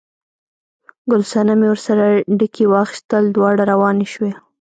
ګل صنمې ورسره ډکي واخیستل، دواړه روانې شوې.